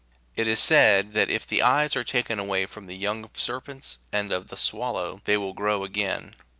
It is said that if the eyes are taken away from the young of serpents and of the swallow,5 they will grow again.